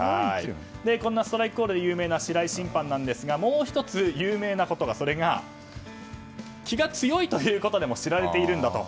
こんなストライクコールで有名な白井審判なんですがもう１つ有名なこと、それが気が強いということでも知られていると。